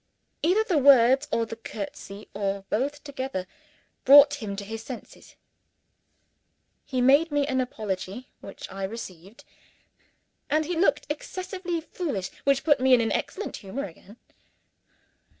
Either the words or the curtsey or both together brought him to his senses. He made me an apology which I received. And he looked excessively foolish which put me in an excellent humour again.